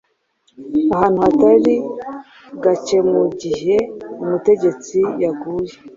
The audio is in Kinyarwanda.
Ahantu hatari gakemugihe umutegetsi yaguye